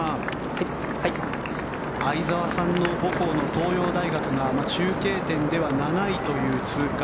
相澤さんの母校の東洋大学が中継点では７位という通過。